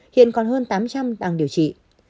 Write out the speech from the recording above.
hiện còn hơn tám trăm linh đang điều trị